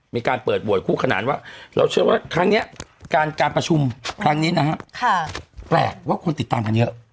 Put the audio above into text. มีการเปิดโหวตคู่ขนานว่าเราเชื่อว่าครั้งนี้การประชุมครั้งนี้นะฮะแปลกว่าคนติดตามกันเยอะ